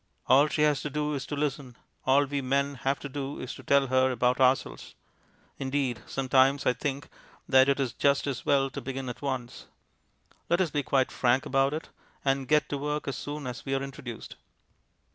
All she has to do is to listen; all we men have to do is to tell her about ourselves. Indeed, sometimes I think that it is just as well to begin at once. Let us be quite frank about it, and get to work as soon as we are introduced.